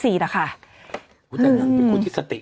บุหรี่นางงามเป็นคนที่สติกดีนะ